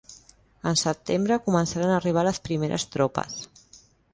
En setembre començaren a arribar les primeres tropes.